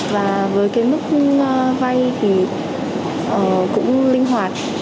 và với cái nút vay thì cũng linh hoạt